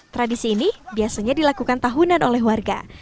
tradisi ini biasanya dilakukan tahunan oleh warga